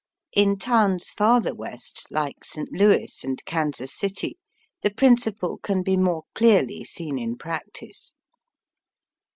In towns farther West, Uke St. Louis and Kansas City, the principle can be more clearly seen in practice.